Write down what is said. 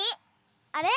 あれ？